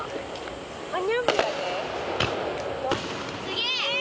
すげえ！